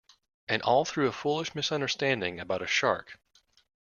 And all through a foolish misunderstanding about a shark.